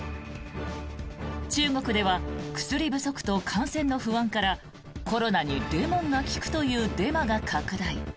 中国では薬不足と感染の不安からコロナにレモンが効くというデマが拡大。